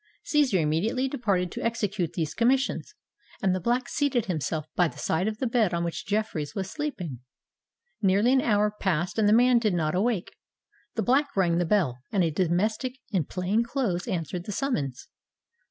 Cæsar immediately departed to execute these commissions; and the Black seated himself by the side of the bed on which Jeffreys was sleeping. Nearly an hour passed, and the man did not awake. The Black rang the bell, and a domestic in plain clothes answered the summons.